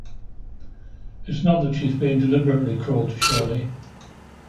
It's not that she's being deliberately cruel to Shirley.